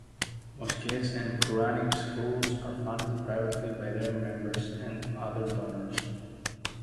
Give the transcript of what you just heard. Mosques and Qur'anic schools are funded privately by their members and other donors.